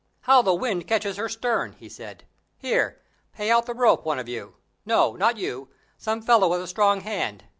"How the wind catches her stern," he said; "here, pay out the rope one of you. No, not you some fellow with a strong hand.